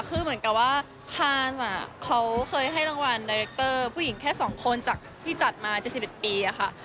คือเหมือนกับว่าพานเขาเคยให้รางวัลดาเรคเตอร์ผู้หญิงแค่๒คนจากที่จัดมา๗๑ปีค่ะ